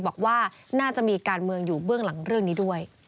บอกว่าน่าจะมีการเมืองอยู่เบื้องหลังเรื่องนี้ด้วย